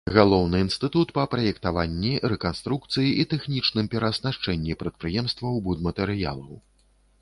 Галаўны інстытут па праектаванні, рэканструкцыі і тэхнічным перааснашчэнні прадпрыемстваў будматэрыялаў.